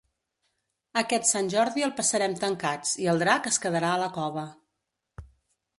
Aquest Sant Jordi el passarem tancats i el drac es quedarà a la cova.